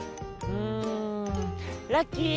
うんラッキー！